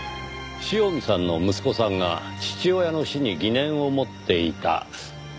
塩見さんの息子さんが父親の死に疑念を持っていたという事ですか？